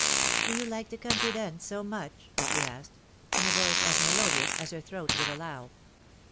^^Do you like the country, then, so much?" she asked, in a voice as melodious as her throat would allow.